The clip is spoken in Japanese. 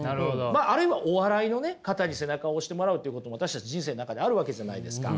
あるいはお笑いの方に背中を押してもらうっていうことも私たち人生の中であるわけじゃないですか。